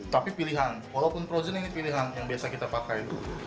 tapi pilihan walaupun frozen ini pilihan yang biasa kita pakai itu